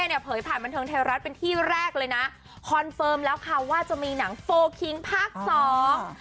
เนี่ยเผยผ่านบันเทิงไทยรัฐเป็นที่แรกเลยนะคอนเฟิร์มแล้วค่ะว่าจะมีหนังโฟลคิงภาคสอง